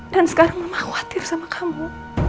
dan sekarang mama khawatir sama kamu